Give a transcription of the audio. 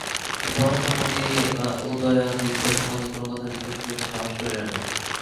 কিন্তু অনেকক্ষণ উদয়াদিত্য সম্বন্ধে কোন কথা জিজ্ঞাসা করিতে সাহস করিলেন না।